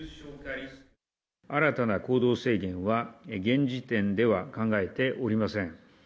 新たな行動制限は、現時点では考えておりません。